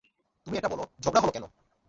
তুমি এটা বলো, ঝগড়া হলো কেন?